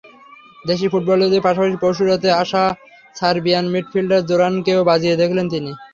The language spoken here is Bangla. দেশি ফুটবলারদের পাশাপাশি পরশু রাতে আসা সার্বিয়ান মিডফিল্ডার জোরানকেও বাজিয়ে দেখলেন তিনি।